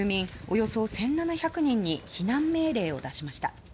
およそ１７００人に避難命令を出しました。